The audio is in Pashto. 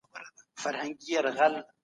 هګۍ د پروټین کمښت مخه نیسي.